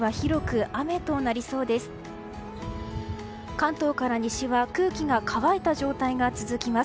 関東から西は空気が乾いた状態が続きます。